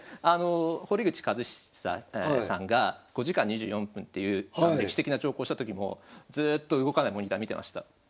堀口一史座さんが５時間２４分っていう歴史的な長考した時もずっと動かないモニター見てました。